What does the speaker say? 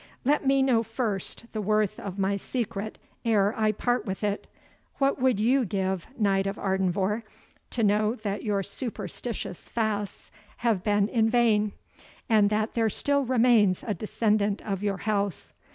Let me know first the worth of my secret ere I part with it What would you give, Knight of Ardenvohr, to know that your superstitious fasts have been vain, and that there still remains a descendant of your house?